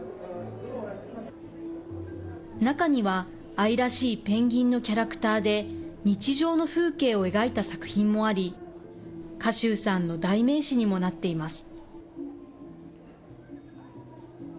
中には、愛らしいペンギンのキャラクターで、日常の風景を描いた作品もあり、賀集さんの代名詞にもなっています。